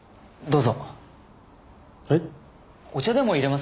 どうぞ。